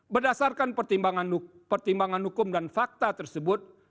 berdasarkan pertimbangan hukum dan fakta tersebut